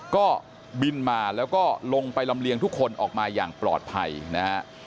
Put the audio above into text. ก็บินมาแล้วก็ลงไปลำเลียงทุกคนออกมาอย่างปลอดภัยนะฮะ